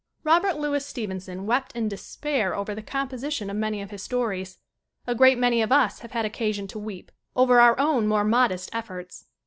Robert Louis Stevenson wept in despair over the composition of many of his stories. A great many of us have had occasion to weep over our own more modest efforts.